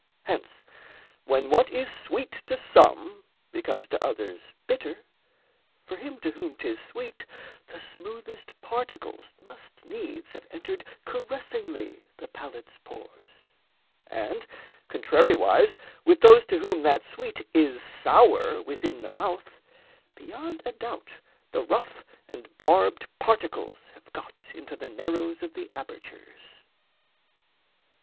Hence when what is sweet to some, Becomes to others bitter, for him to whom 'Tis sweet, the smoothest particles must needs Have entered caressingly the palate's pores. And, contrariwise, with those to whom that sweet Is sour within the mouth, beyond a doubt The rough and barbed particles have got Into the narrows of the apertures.